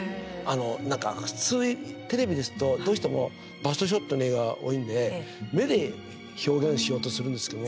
なんか普通テレビですとどうしてもバストショットの絵が多いんで目で表現しようとするんですけど。